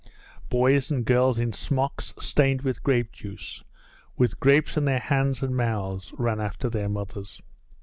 Boys and girls in smocks stained with grape juice, with grapes in their hands and mouths, ran after their mothers.